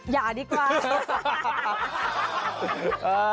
อย่าดีกว่า